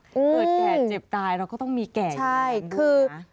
เกิดแก่เจ็บตายเราก็ต้องมีแก่ใช่คือ